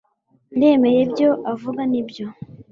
ndemeye ibyo avuga ni byo